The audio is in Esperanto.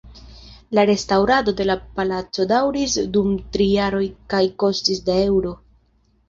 La restaŭrado de la palaco daŭris dum tri jaroj kaj kostis da eŭroj.